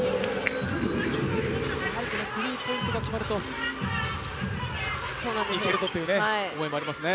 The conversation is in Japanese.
やはりスリーポイントが決まるといけるぞという思いもありますね。